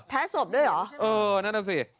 แท้ศพด้วยหรอเออนั่นสิ